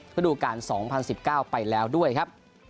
ฤดูการ๒๐๑๙ไปแล้วด้วยครับ